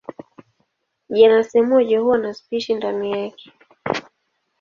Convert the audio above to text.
Jenasi moja huwa na spishi ndani yake.